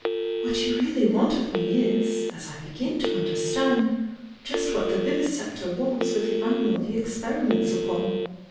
What you really want of me is, as I begin to understand, just what the vivisector wants with the animal he experiments upon.